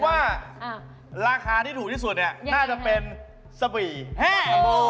คิดว่าราคาที่ถูกที่สุดน่าจะเป็นสบู่